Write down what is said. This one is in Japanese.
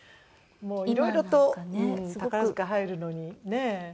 もういろいろと宝塚入るのにねえ。